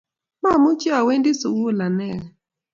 Mamuchi awendi sukul anegei